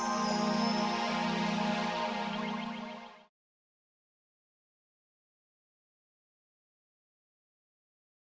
tidak ada yang bisa menguruskan diri gue